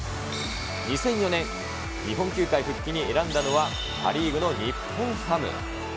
２００４年、日本球界復帰に選んだのは、パ・リーグの日本ハム。